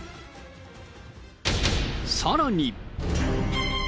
さらに。